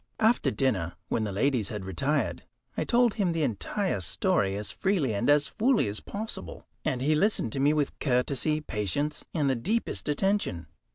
After dinner, when the ladies had retired, I told him the entire story as freely and as fully as possible, and he listened to me with courtesy, patience, and the deepest attention.